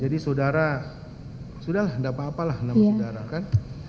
jadi saudara sudah lah tidak apa apa lah nama saudara kan